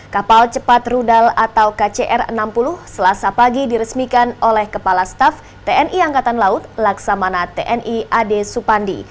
kapal cepat rudal atau kcr enam puluh selasa pagi diresmikan oleh kepala staf tni angkatan laut laksamana tni ade supandi